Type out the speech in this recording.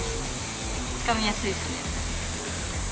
つかみやすいですね。